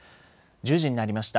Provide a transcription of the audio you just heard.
１０時になりました。